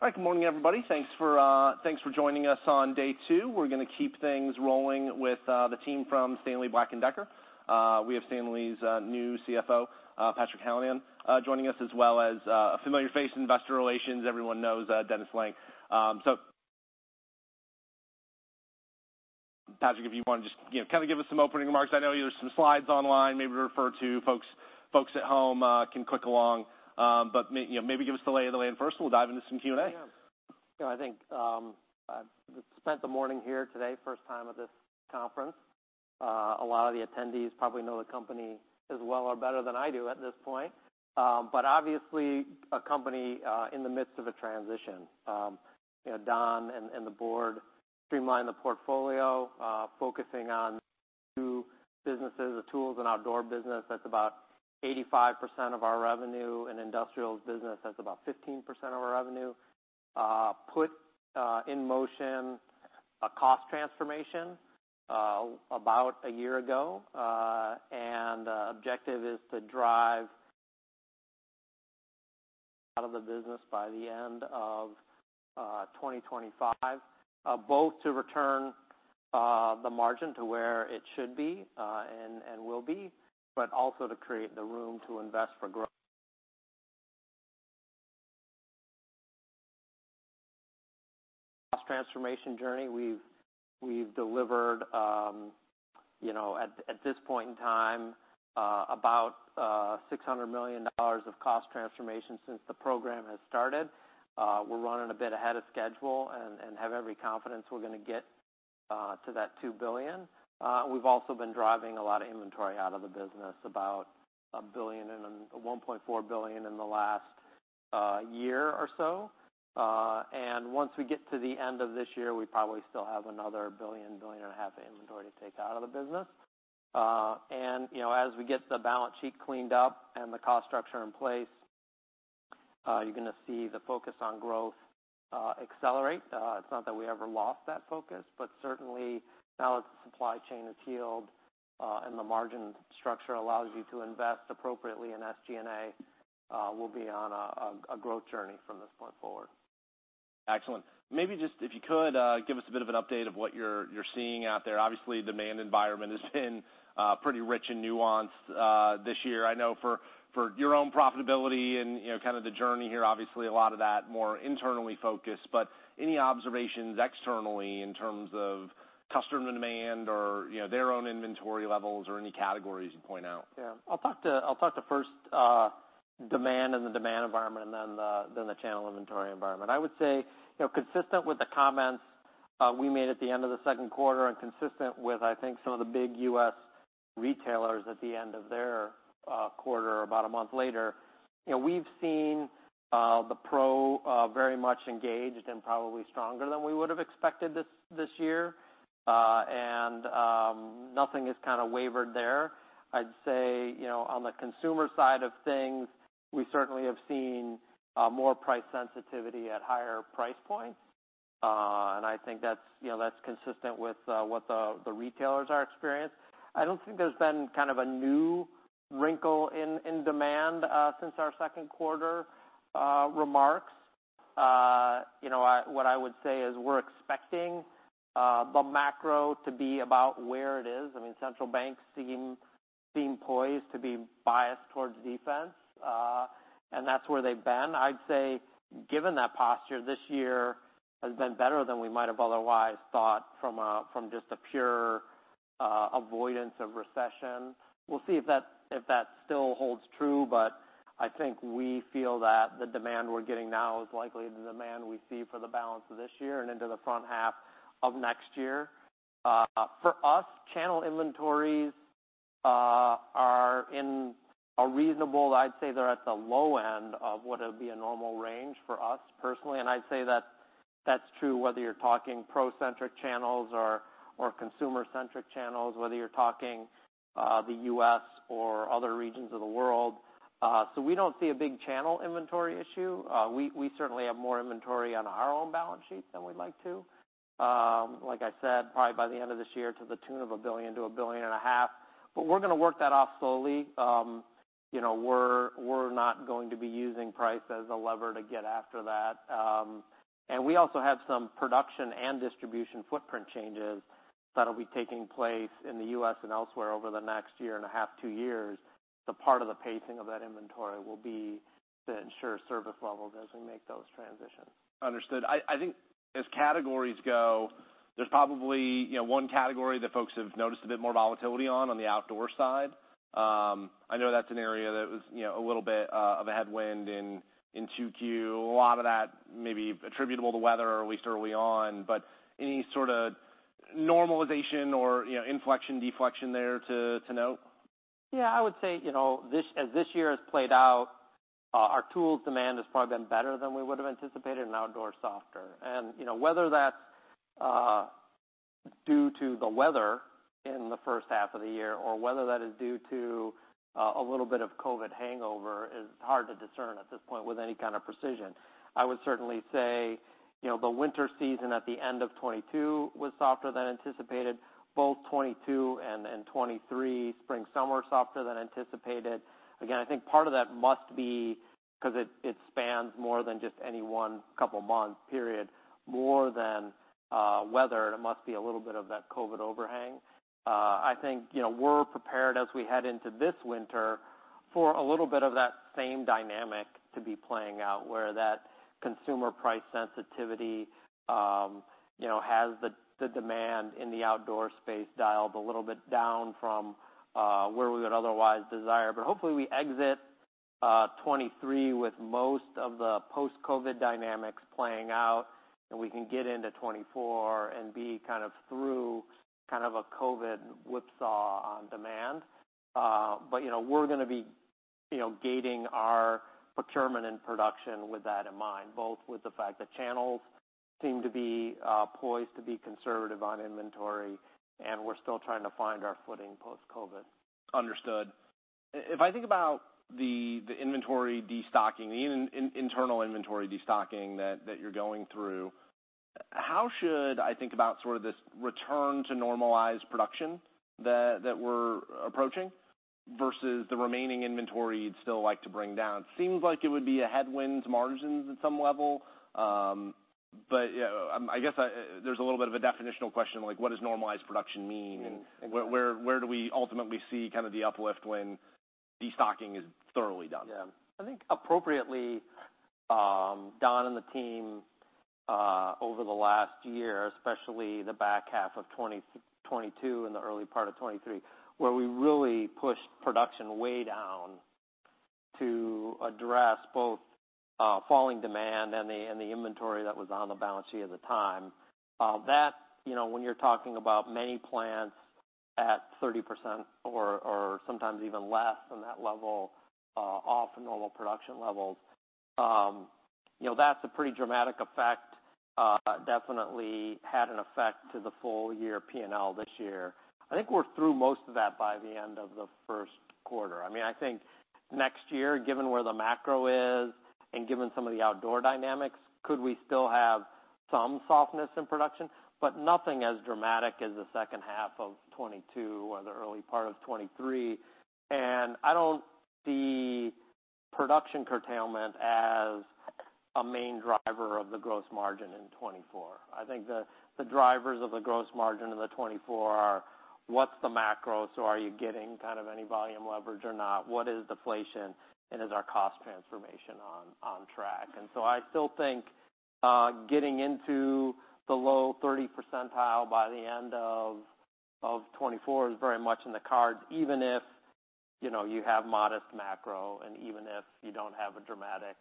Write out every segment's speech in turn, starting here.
Hi, good morning, everybody. Thanks for joining us on day two. We're gonna keep things rolling with the team from Stanley Black & Decker. We have Stanley's new CFO, Patrick Hallinan, joining us, as well as a familiar face in investor relations. Everyone knows Dennis Lange. So, Patrick, if you want to just, you know, kind of give us some opening remarks. I know there's some slides online, maybe refer to. Folks at home can click along. But, you know, maybe give us the lay of the land first, and we'll dive into some Q&A. Yeah. You know, I think, I've spent the morning here today, first time at this conference. A lot of the attendees probably know the company as well or better than I do at this point. But obviously, a company in the midst of a transition. You know, Don and the board streamlined the portfolio, focusing on two businesses, the tools and outdoor business. That's about 85% of our revenue, and industrials business, that's about 15% of our revenue. Put in motion a cost transformation about a year ago, and objective is to drive out of the business by the end of 2025, both to return the margin to where it should be, and will be, but also to create the room to invest for growth. Cost transformation journey, we've delivered, you know, at this point in time, about $600 million of cost transformation since the program has started. We're running a bit ahead of schedule and have every confidence we're gonna get to that $2 billion. We've also been driving a lot of inventory out of the business, about $1 billion and $1.4 billion in the last year or so. And once we get to the end of this year, we probably still have another $1.5 billion of inventory to take out of the business. And, you know, as we get the balance sheet cleaned up and the cost structure in place, you're gonna see the focus on growth accelerate. It's not that we ever lost that focus, but certainly, now that the supply chain is healed, and the margin structure allows you to invest appropriately in SG&A, we'll be on a growth journey from this point forward. Excellent. Maybe just, if you could, give us a bit of an update of what you're seeing out there. Obviously, demand environment has been pretty rich and nuanced this year. I know for your own profitability and, you know, kind of the journey here, obviously, a lot of that more internally focused, but any observations externally in terms of customer demand or, you know, their own inventory levels or any categories you'd point out? Yeah. I'll talk to first, demand and the demand environment and then the channel inventory environment. I would say, you know, consistent with the comments we made at the end of the second quarter and consistent with, I think, some of the big U.S. retailers at the end of their quarter, about a month later, you know, we've seen the pro very much engaged and probably stronger than we would have expected this year. And nothing has kind of wavered there. I'd say, you know, on the consumer side of things, we certainly have seen more price sensitivity at higher price points. And I think that's, you know, that's consistent with what the retailers are experienced. I don't think there's been kind of a new wrinkle in demand since our second quarter remarks. You know, I... What I would say is we're expecting the macro to be about where it is. I mean, central banks seem poised to be biased towards defense, and that's where they've been. I'd say, given that posture, this year has been better than we might have otherwise thought from a, from just a pure avoidance of recession. We'll see if that still holds true, but I think we feel that the demand we're getting now is likely the demand we see for the balance of this year and into the front half of next year. For us, channel inventories are in a reasonable, I'd say they're at the low end of what would be a normal range for us personally, and I'd say that that's true whether you're talking pro-centric channels or consumer-centric channels, whether you're talking the U.S. or other regions of the world. So we don't see a big channel inventory issue. We certainly have more inventory on our own balance sheet than we'd like to. Like I said, probably by the end of this year, to the tune of $1 billion-$1.5 billion. But we're gonna work that off slowly. You know, we're not going to be using price as a lever to get after that. And we also have some production and distribution footprint changes that'll be taking place in the U.S. and elsewhere over the next year and a half, two years. The part of the pacing of that inventory will be to ensure service levels as we make those transitions. Understood. I think as categories go, there's probably, you know, one category that folks have noticed a bit more volatility on, on the outdoor side. I know that's an area that was, you know, a little bit of a headwind in 2Q. A lot of that may be attributable to weather, at least early on, but any sort of normalization or, you know, inflection, deflection there to note? Yeah, I would say, you know, this, as this year has played out, our tools demand has probably been better than we would have anticipated and outdoor softer. And, you know, whether that's due to the weather in the first half of the year or whether that is due to a little bit of COVID hangover is hard to discern at this point with any kind of precision. I would certainly say you know, the winter season at the end of 2022 was softer than anticipated. Both 2022 and 2023 spring, summer, softer than anticipated. Again, I think part of that must be because it spans more than just any one couple of months period, more than weather. It must be a little bit of that COVID hangover. I think, you know, we're prepared as we head into this winter for a little bit of that same dynamic to be playing out, where that consumer price sensitivity, you know, has the demand in the outdoor space dialed a little bit down from where we would otherwise desire. But hopefully, we exit 2023 with most of the post-COVID dynamics playing out, and we can get into 2024 and be kind of through kind of a COVID whipsaw on demand. But, you know, we're going to be, you know, gating our procurement and production with that in mind, both with the fact that channels seem to be poised to be conservative on inventory, and we're still trying to find our footing post-COVID. Understood. If I think about the inventory destocking, even in internal inventory destocking that you're going through, how should I think about sort of this return to normalized production that we're approaching versus the remaining inventory you'd still like to bring down? Seems like it would be a headwind to margins at some level, but yeah, I guess there's a little bit of a definitional question, like what does normalized production mean? And where do we ultimately see kind of the uplift when destocking is thoroughly done? Yeah. I think appropriately, Don and the team, over the last year, especially the back half of 2022 and the early part of 2023, where we really pushed production way down to address both, falling demand and the inventory that was on the balance sheet at the time. That, you know, when you're talking about many plants at 30% or sometimes even less than that level, off normal production levels, you know, that's a pretty dramatic effect. Definitely had an effect to the full year P&L this year. I think we're through most of that by the end of the first quarter. I mean, I think next year, given where the macro is and given some of the outdoor dynamics, could we still have some softness in production, but nothing as dramatic as the second half of 2022 or the early part of 2023. And I don't see production curtailment as a main driver of the gross margin in 2024. I think the drivers of the gross margin in 2024 are: what's the macro? So are you getting kind of any volume leverage or not? What is deflation, and is our cost transformation on track? And so I still think getting into the low 30 percentile by the end of 2024 is very much in the cards, even if, you know, you have modest macro and even if you don't have a dramatic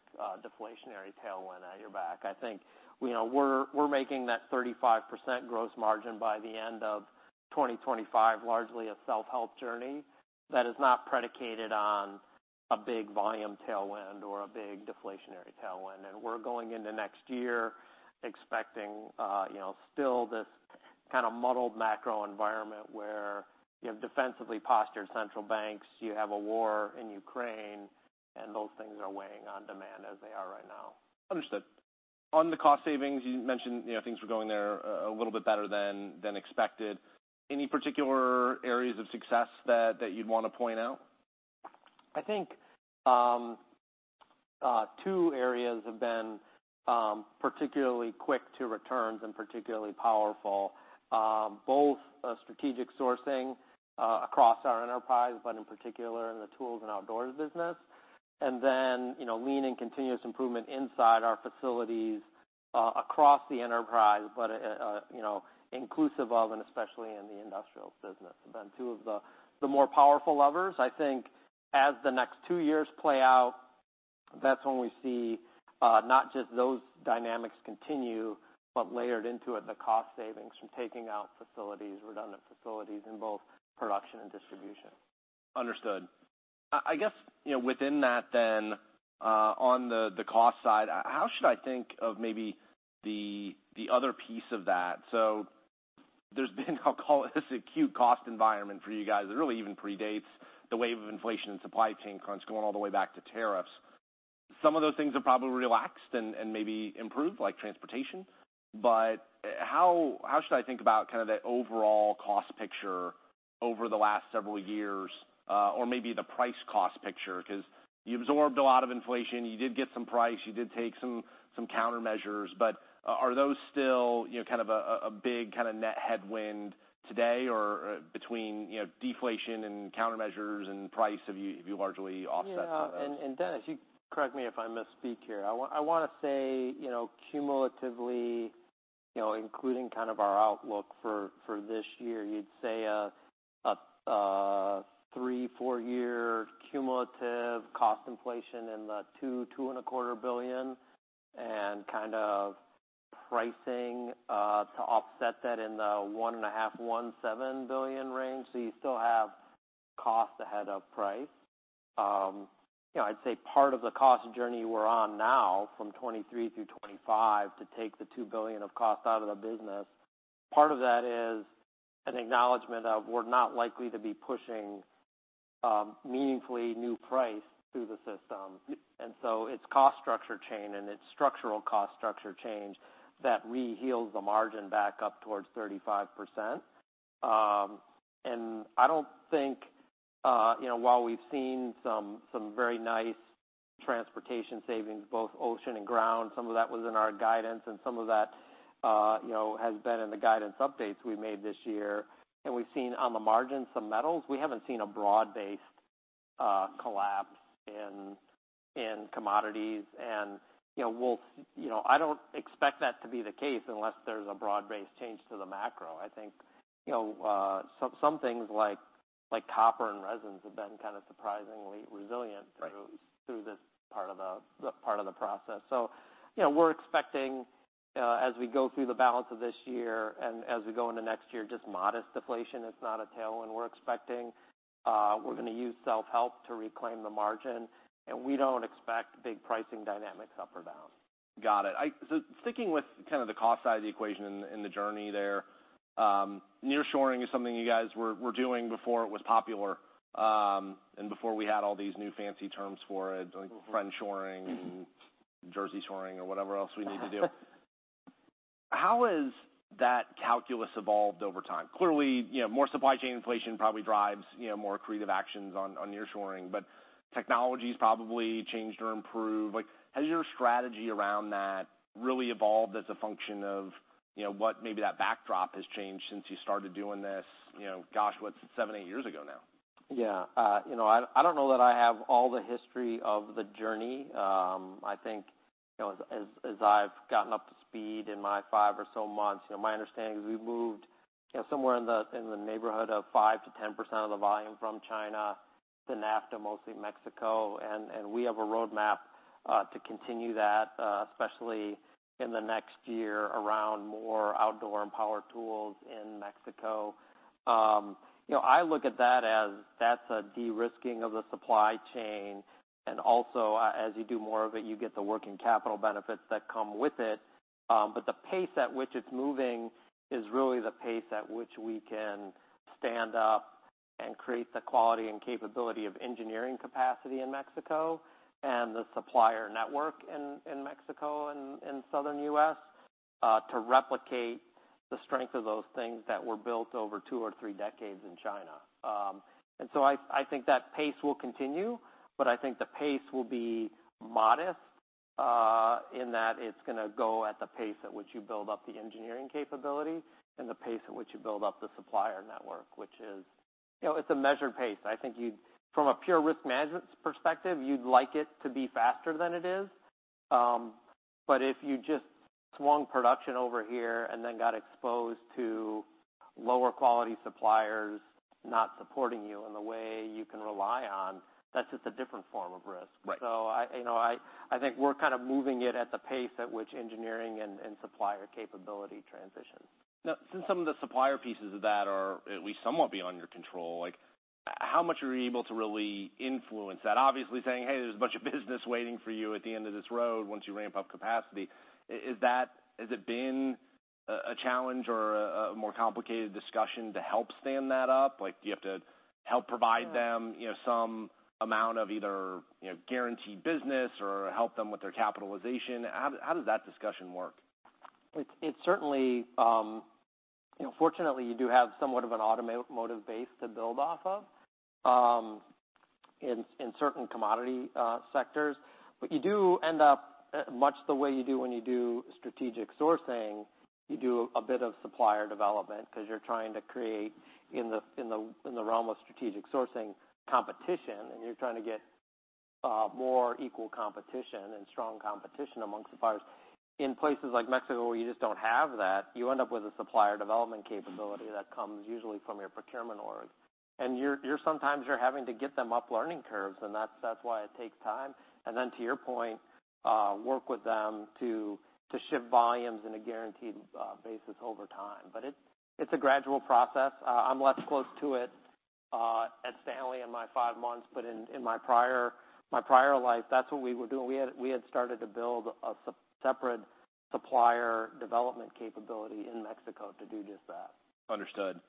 deflationary tailwind at your back. I think, you know, we're, we're making that 35% gross margin by the end of 2025, largely a self-help journey that is not predicated on a big volume tailwind or a big deflationary tailwind. We're going into next year expecting, you know, still this kind of muddled macro environment where you have defensively postured central banks, you have a war in Ukraine, and those things are weighing on demand as they are right now. Understood. On the cost savings, you mentioned, you know, things were going there a little bit better than expected. Any particular areas of success that you'd want to point out? I think two areas have been particularly quick to returns and particularly powerful. Both strategic sourcing across our enterprise, but in particular in the tools and outdoors business. And then, you know, lean and continuous improvement inside our facilities across the enterprise, but you know, inclusive of and especially in the industrial business. Have been two of the more powerful levers. I think as the next two years play out, that's when we see not just those dynamics continue, but layered into it, the cost savings from taking out facilities, redundant facilities in both production and distribution. Understood. I guess, you know, within that then, on the cost side, how should I think of maybe the other piece of that? So there's been, I'll call it, this acute cost environment for you guys. It really even predates the wave of inflation and supply chain crunch going all the way back to tariffs. Some of those things have probably relaxed and maybe improved, like transportation, but how should I think about kind of the overall cost picture over the last several years, or maybe the price-cost picture? Because you absorbed a lot of inflation, you did get some price, you did take some countermeasures, but are those still, you know, kind of a big kind of net headwind today or between, you know, deflation and countermeasures and price, have you largely offset? Yeah, and Dennis, you correct me if I misspeak here. I want to say, you know, cumulatively, you know, including kind of our outlook for this year, you'd say a three-, four-year cumulative cost inflation in the $2 billion-$2.25 billion, and kind of pricing to offset that in the $1.5 billion-$1.7 billion range. So you still have cost ahead of price. You know, I'd say part of the cost journey we're on now, from 2023 through 2025, to take the $2 billion of cost out of the business, part of that is an acknowledgment of we're not likely to be pushing meaningfully new price through the system. And so it's cost structure change, and it's structural cost structure change that re-heals the margin back up towards 35%. I don't think, you know, while we've seen some very nice transportation savings, both ocean and ground, some of that was in our guidance and some of that, you know, has been in the guidance updates we made this year. We've seen on the margin some metals. We haven't seen a broad-based collapse in commodities. You know, I don't expect that to be the case unless there's a broad-based change to the macro. I think, you know, some things like copper and resins have been kind of surprisingly resilient through this part of the process. So, you know, we're expecting, as we go through the balance of this year and as we go into next year, just modest deflation. It's not a tailwind we're expecting. We're going to use self-help to reclaim the margin, and we don't expect big pricing dynamics up or down. Got it. So sticking with kind of the cost side of the equation in, in the journey there, nearshoring is something you guys were, were doing before it was popular, and before we had all these new fancy terms for it, like friendshoring and Jerseyshoring or whatever else we need to do. How has that calculus evolved over time? Clearly, you know, more supply chain inflation probably drives, you know, more creative actions on, on nearshoring, but technology's probably changed or improved. Like, has your strategy around that really evolved as a function of, you know, what maybe that backdrop has changed since you started doing this, you know, gosh, what, seven, eight years ago now? Yeah. You know, I don't know that I have all the history of the journey. I think, you know, as I've gotten up to speed in my five or so months, you know, my understanding is we moved, you know, somewhere in the neighborhood of 5%-10% of the volume from China to NAFTA, mostly Mexico. And we have a roadmap to continue that, especially in the next year, around more outdoor and power tools in Mexico. You know, I look at that as that's a de-risking of the supply chain, and also, as you do more of it, you get the working capital benefits that come with it. But the pace at which it's moving is really the pace at which we can stand up and create the quality and capability of engineering capacity in Mexico, and the supplier network in, in Mexico and, and southern U.S., to replicate the strength of those things that were built over two or three decades in China. And so I, I think that pace will continue, but I think the pace will be modest, in that it's going to go at the pace at which you build up the engineering capability and the pace at which you build up the supplier network, which is, you know, it's a measured pace. I think you'd-- from a pure risk management perspective, you'd like it to be faster than it is. But if you just swung production over here and then got exposed to lower quality suppliers not supporting you in the way you can rely on, that's just a different form of risk. So, you know, I think we're kind of moving it at the pace at which engineering and supplier capability transitions. Now, since some of the supplier pieces of that are at least somewhat beyond your control, like, how much are you able to really influence that? Obviously, saying: Hey, there's a bunch of business waiting for you at the end of this road once you ramp up capacity. Is that—has it been a challenge or a more complicated discussion to help stand that up? Like, do you have to help provide them, you know, some amount of either, you know, guaranteed business or help them with their capitalization? How, how does that discussion work? It's certainly... You know, fortunately, you do have somewhat of an automotive base to build off of, in certain commodity sectors. But you do end up, much the way you do when you do strategic sourcing. You do a bit of supplier development because you're trying to create, in the realm of strategic sourcing, competition, and you're trying to get more equal competition and strong competition among suppliers. In places like Mexico, where you just don't have that, you end up with a supplier development capability that comes usually from your procurement org. And you're sometimes having to get them up learning curves, and that's why it takes time. And then, to your point, work with them to ship volumes in a guaranteed basis over time. But it's a gradual process. I'm less close to it at Stanley in my five months, but in my prior life, that's what we were doing. We had started to build a separate supplier development capability in Mexico to do just that. Understood.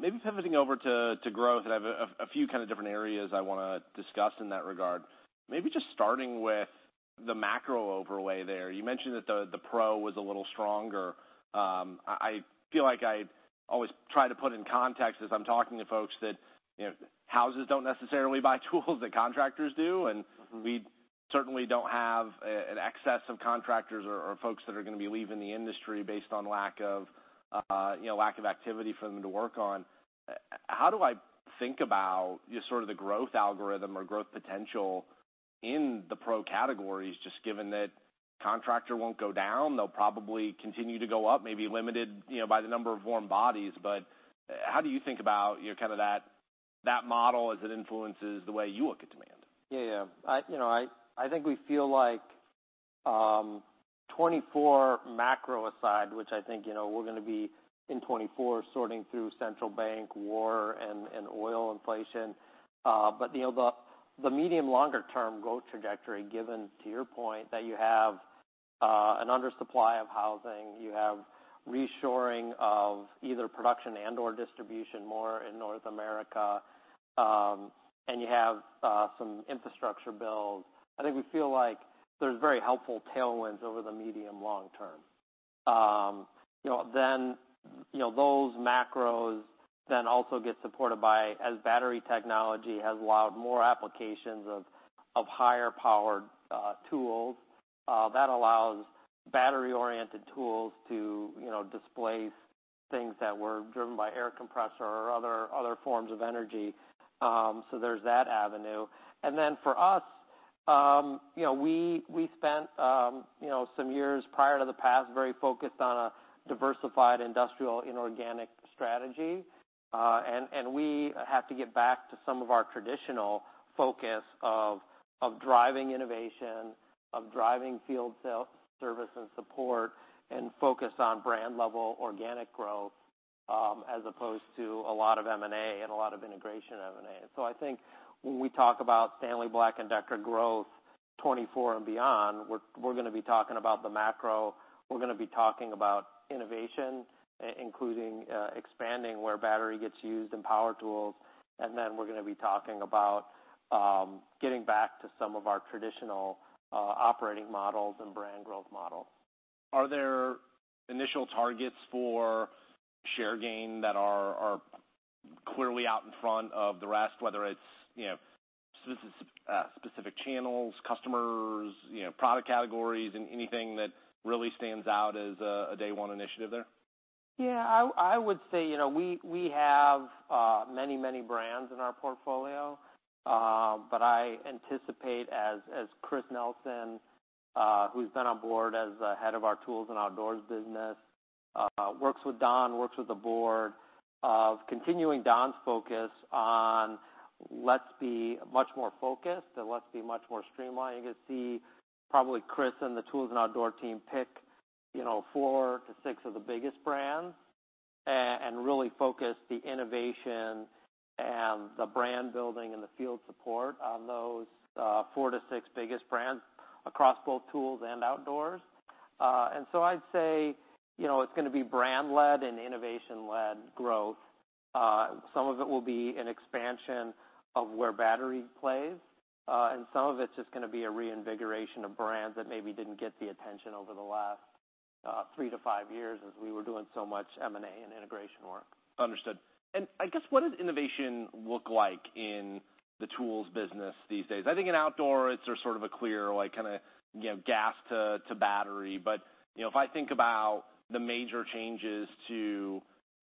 Maybe pivoting over to growth. I have a few kind of different areas I want to discuss in that regard. Maybe just starting with the macro overlay there. You mentioned that the pro was a little stronger. I feel like I always try to put in context as I'm talking to folks that, you know, houses don't necessarily buy tools that contractors do, and we certainly don't have an excess of contractors or folks that are going to be leaving the industry based on lack of, you know, lack of activity for them to work on. How do I think about just sort of the growth algorithm or growth potential in the pro categories, just given that contractor won't go down? They'll probably continue to go up, maybe limited, you know, by the number of warm bodies. How do you think about, you know, kind of that model as it influences the way you look at demand? Yeah. Yeah. I, you know, I, I think we feel like, 2024 macro aside, which I think, you know, we're going to be in 2024, sorting through central bank, war, and oil inflation. But, you know, the medium longer term growth trajectory, given to your point, that you have an under supply of housing, you have reshoring of either production and/or distribution more in North America, and you have some infrastructure build. I think we feel like there's very helpful tailwinds over the medium long term. You know, then, you know, those macros then also get supported by, as battery technology has allowed more applications of higher powered tools, that allows battery-oriented tools to, you know, displace things that were driven by air compressor or other forms of energy. So there's that avenue. And then for us, you know, we, we spent, you know, some years prior to the past, very focused on a diversified industrial inorganic strategy. And we have to get back to some of our traditional focus of driving innovation, of driving field sales, service and support, and focus on brand level organic growth, as opposed to a lot of M&A and a lot of integration M&A. So I think when we talk about Stanley Black & Decker growth 2024 and beyond, we're, we're gonna be talking about the macro, we're gonna be talking about innovation, including expanding where battery gets used in power tools, and then we're gonna be talking about getting back to some of our traditional operating models and brand growth models. Are there initial targets for share gain that are clearly out in front of the rest, whether it's, you know, specific channels, customers, you know, product categories, and anything that really stands out as a day one initiative there? Yeah, I would say, you know, we have many, many brands in our portfolio, but I anticipate as Chris Nelson, who's been on board as the head of our tools and outdoors business, works with Don, works with the board, of continuing Don's focus on, let's be much more focused, and let's be much more streamlined. You can see probably Chris and the tools and outdoor team pick, you know, four-six of the biggest brands and really focus the innovation and the brand building and the field support on those, four-six biggest brands across both tools and outdoors. And so I'd say, you know, it's gonna be brand-led and innovation-led growth. Some of it will be an expansion of where battery plays, and some of it's just gonna be a reinvigoration of brands that maybe didn't get the attention over the last three to five years as we were doing so much M&A and integration work. Understood. I guess, what does innovation look like in the tools business these days? I think in outdoor, it's sort of a clear, like, kinda, you know, gas to battery. But, you know, if I think about the major changes to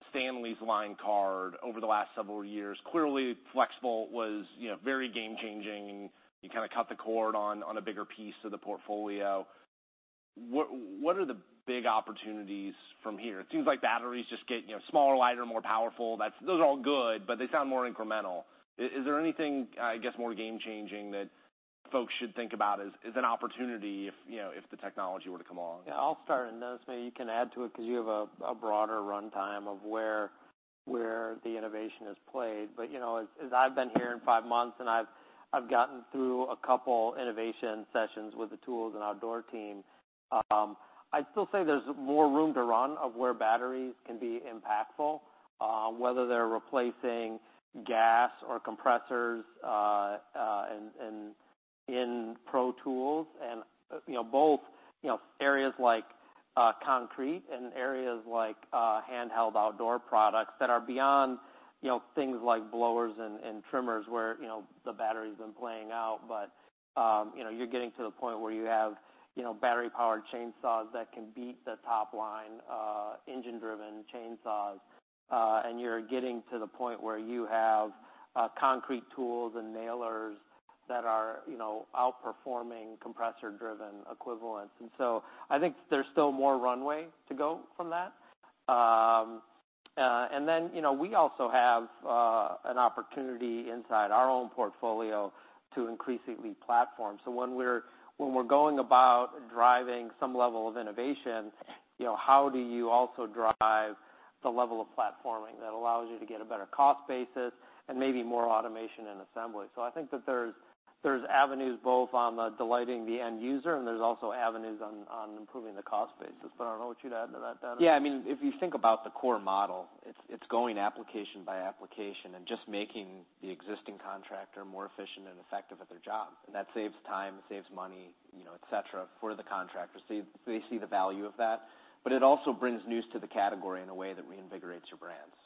Stanley's line card over the last several years, clearly FLEXVOLT was, you know, very game changing. You kinda cut the cord on a bigger piece of the portfolio. What are the big opportunities from here? It seems like batteries just get, you know, smaller, lighter, more powerful. That's, those are all good, but they sound more incremental. Is there anything, I guess, more game changing that folks should think about as an opportunity if, you know, if the technology were to come along? Yeah, I'll start, and then, maybe you can add to it because you have a broader runway of where the innovation is played. But, you know, as I've been here in five months and I've gotten through a couple innovation sessions with the tools and outdoor team, I'd still say there's more room to run of where batteries can be impactful, whether they're replacing gas or compressors, and in pro tools and, you know, both, you know, areas like concrete and areas like handheld outdoor products that are beyond, you know, things like blowers and trimmers, where, you know, the battery's been playing out. But, you know, you're getting to the point where you have, you know, battery-powered chainsaws that can beat the topline, engine-driven chainsaws. And you're getting to the point where you have concrete tools and nailers that are, you know, outperforming compressor-driven equivalents. And so I think there's still more runway to go from that. And then, you know, we also have an opportunity inside our own portfolio to increasingly platform. So when we're going about driving some level of innovation, you know, how do you also drive the level of platforming that allows you to get a better cost basis and maybe more automation and assembly? So I think that there's avenues both on the delighting the end user, and there's also avenues on improving the cost basis. But I don't know what you'd add to that, Don? Yeah, I mean, if you think about the core model, it's going application by application and just making the existing contractor more efficient and effective at their job. And that saves time, it saves money, you know, et cetera, for the contractor. So they see the value of that, but it also brings news to the category in a way that reinvigorates your brands.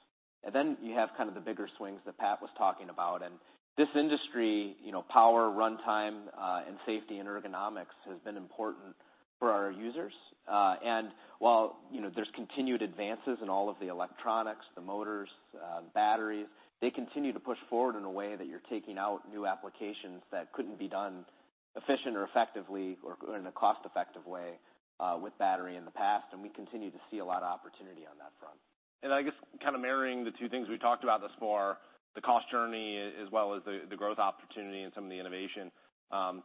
And then you have kind of the bigger swings that Pat was talking about, and this industry, you know, power, runtime, and safety and ergonomics has been important for our users. And while, you know, there's continued advances in all of the electronics, the motors, batteries, they continue to push forward in a way that you're taking out new applications that couldn't be done efficient or effectively or in a cost-effective way, with battery in the past, and we continue to see a lot of opportunity on that front. I guess kind of marrying the two things we've talked about thus far, the cost journey, as well as the growth opportunity and some of the innovation,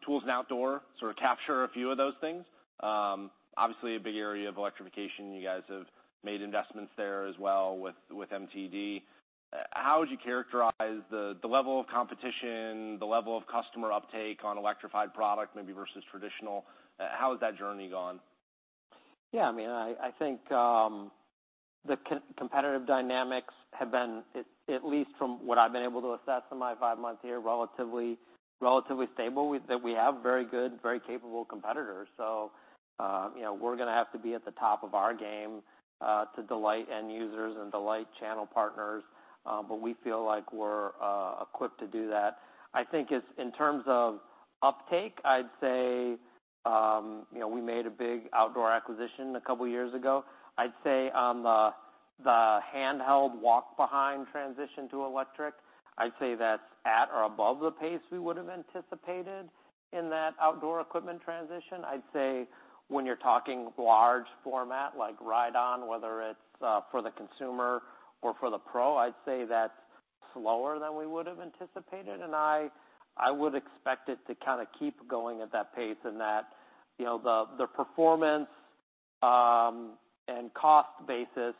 tools and outdoor sort of capture a few of those things. Obviously, a big area of electrification. You guys have made investments there as well with MTD. How would you characterize the level of competition, the level of customer uptake on electrified product, maybe versus traditional? How has that journey gone? Yeah, I mean, I think the competitive dynamics have been, at least from what I've been able to assess in my five months here, relatively stable. We have very good, very capable competitors. So, you know, we're gonna have to be at the top of our game to delight end users and delight channel partners, but we feel like we're equipped to do that. I think it's in terms of uptake, I'd say, you know, we made a big outdoor acquisition a couple of years ago. I'd say on the handheld walk-behind transition to electric, I'd say that's at or above the pace we would have anticipated in that outdoor equipment transition. I'd say when you're talking large format, like ride-on, whether it's for the consumer or for the pro, I'd say that's slower than we would have anticipated, and I would expect it to kind of keep going at that pace, and that, you know, the performance and cost basis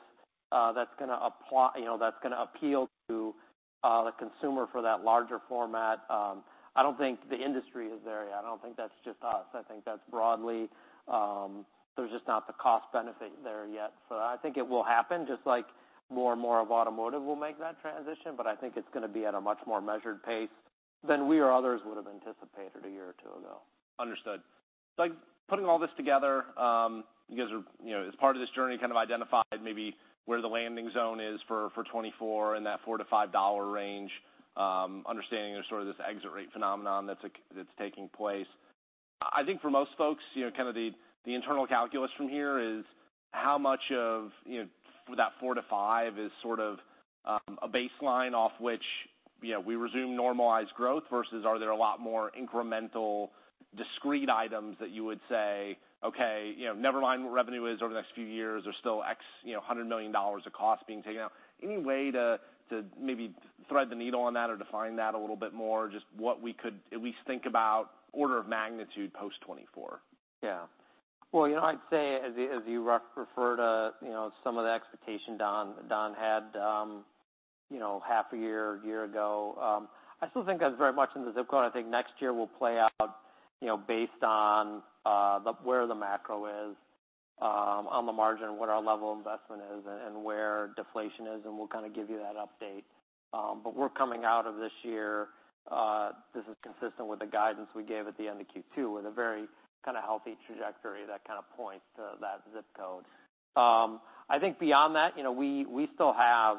that's gonna apply—you know, that's gonna appeal to the consumer for that larger format. I don't think the industry is there yet. I don't think that's just us. I think that's broadly, there's just not the cost benefit there yet. So I think it will happen, just like more and more of automotive will make that transition, but I think it's gonna be at a much more measured pace than we or others would have anticipated a year or two ago. Understood. So like, putting all this together, you guys are, you know, as part of this journey, kind of identified maybe where the landing zone is for 2024 in that $4-$5 range, understanding there's sort of this exit rate phenomenon that's taking place. I think for most folks, you know, kind of the internal calculus from here is how much of, you know, that $4-$5 is sort of a baseline off which, you know, we resume normalized growth, versus are there a lot more incremental, discrete items that you would say, okay, you know, never mind what revenue is over the next few years, there's still X, you know, $100 million of cost being taken out. Any way to maybe thread the needle on that or define that a little bit more, just what we could at least think about order of magnitude post 2024? Yeah. Well, you know, I'd say, as you referred to, you know, some of the expectation Don, Don had, you know, half a year or a year ago, I still think that's very much in the zip code. I think next year will play out, you know, based on, where the macro is, on the margin, what our level of investment is and where deflation is, and we'll kind of give you that update. But we're coming out of this year, this is consistent with the guidance we gave at the end of Q2, with a very kind of healthy trajectory that kind of points to that zip code. I think beyond that, you know, we still have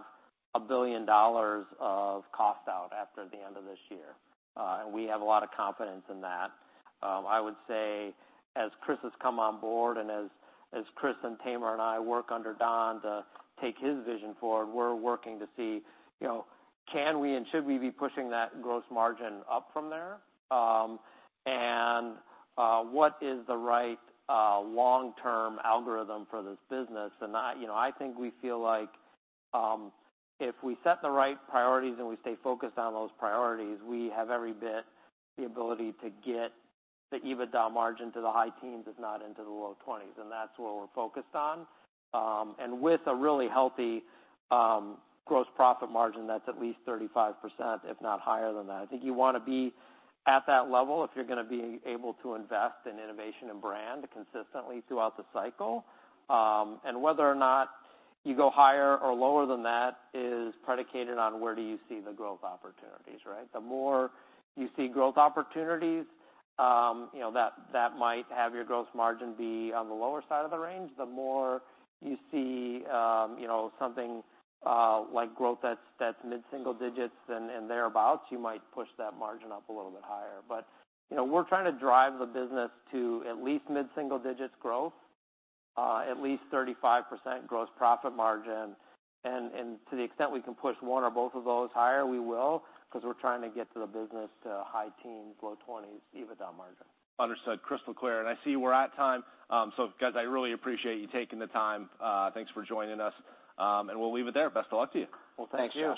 $1 billion of cost out after the end of this year, and we have a lot of confidence in that. I would say, as Chris has come on board and as Chris and Tamer and I work under Don to take his vision forward, we're working to see, you know, can we and should we be pushing that gross margin up from there? What is the right long-term algorithm for this business? I, you know, I think we feel like, if we set the right priorities and we stay focused on those priorities, we have every bit the ability to get the EBITDA margin to the high teens, if not into the low twenties. That's what we're focused on. And with a really healthy gross profit margin, that's at least 35%, if not higher than that. I think you want to be at that level if you're gonna be able to invest in innovation and brand consistently throughout the cycle. And whether or not you go higher or lower than that is predicated on where do you see the growth opportunities, right? The more you see growth opportunities, you know, that, that might have your gross margin be on the lower side of the range. The more you see, you know, something like growth that's, that's mid-single digits and thereabout, you might push that margin up a little bit higher. But, you know, we're trying to drive the business to at least mid-single digits growth, at least 35% gross profit margin. To the extent we can push one or both of those higher, we will, because we're trying to get to the business to high teens, low 20s, EBITDA margin. Understood. Crystal clear, and I see we're out of time. So guys, I really appreciate you taking the time. Thanks for joining us, and we'll leave it there. Best of luck to you. Well, thank you.